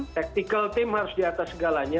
taktikal tim harus di atas segalanya